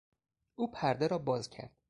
او پرده را باز کرد.